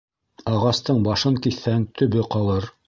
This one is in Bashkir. Ағастың башын киҫһәң, төбө ҡалыр.